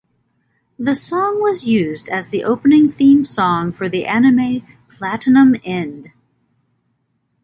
The song was used as the opening theme song for the anime "Platinum End".